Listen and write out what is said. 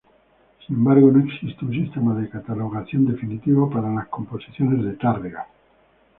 Sin embargo, no existe un sistema de catalogación definitivo para las composiciones de Tárrega.